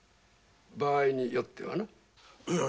場合によってはな。